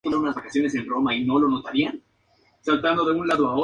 Temas en -a y genitivo singular en -ae.